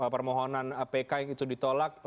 permohonan pk yang itu ditolak